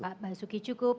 pak basuki cukup